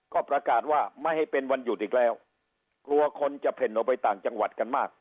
ก็ประกาศว่าไม่ให้เป็นวันหยุดอีกแล้วกลัวคนจะเผ่นออกไปต่างจังหวัดกันมาก